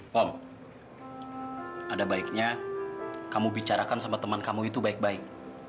pom ada baiknya kamu bicarakan sama teman kamu itu baik baik